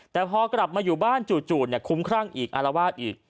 แต่พอกลับมาอยู่บ้านจู่คุ้มครั่งอีกอารวาสอีก